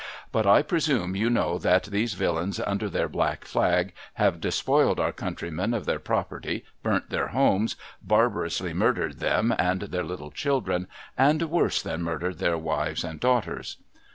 But, I presume you know that these villains under their black flag have despoiled our countrymen of their property, burnt their homes, barbarously murdered them and their little children, and worse than murdered their wives and daughters